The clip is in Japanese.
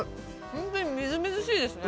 ほんとにみずみずしいですね。